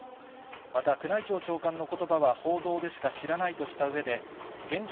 また宮内庁長官のことばは報道でしか知らないとしたうえで、現状